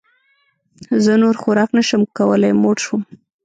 زه نور خوراک نه شم کولی موړ شوم